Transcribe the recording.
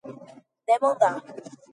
demandar